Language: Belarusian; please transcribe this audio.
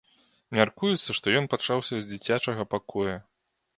Мяркуецца, што ён пачаўся з дзіцячага пакоя.